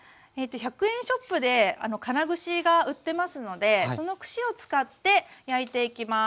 １００円ショップで金串が売ってますのでその串を使って焼いていきます。